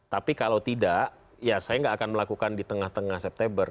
tapi kalau tidak ya saya nggak akan melakukan di tengah tengah september